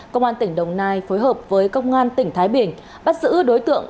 công an tỉnh đồng nai phối hợp với công an tỉnh thái bình bắt giữ đối tượng